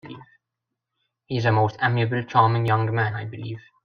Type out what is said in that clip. He is a most amiable, charming young man, I believe.